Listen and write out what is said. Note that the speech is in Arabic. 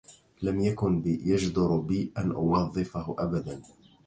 لم يكن يجدر بي أن أوظفه أبدا.